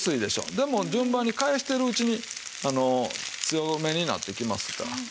でも順番に返してるうちに強めになってきますから。